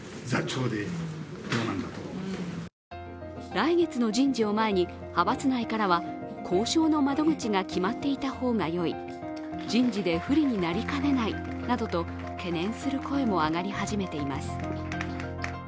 来月の人事を前に派閥内からは交渉の窓口が決まっていた方がよい、人事で不利になりかねないなどと懸念する声も上がり始めています。